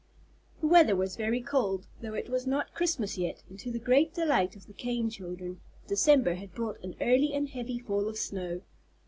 The weather was very cold, though it was not Christmas yet, and to the great delight of the Kane children, December had brought an early and heavy fall of snow.